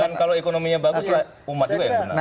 dan kalau ekonominya bagus lah umat juga ya